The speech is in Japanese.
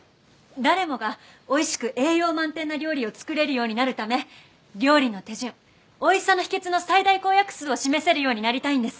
誰もがおいしく栄養満点な料理を作れるようになるため料理の手順おいしさの秘訣の最大公約数を示せるようになりたいんです。